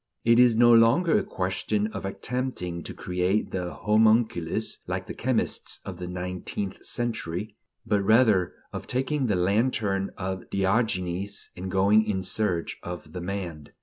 It is no longer a question of attempting to create the homunculus, like the chemists of the nineteenth century; but rather of taking the lantern of Diogenes and going in search of the man.